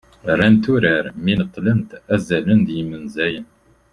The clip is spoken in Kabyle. rrant urar mi neṭṭlent "azalen d yimenzayen"